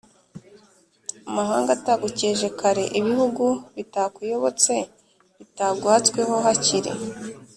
amahanga atagukeje kare: ibihugu bitakuyobotse, bitaguhatsweho hakiri